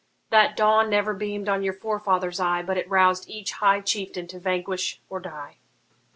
That dawn never beam'd on your forefathers' eye, But it roused each high chieftain to vanquish or die.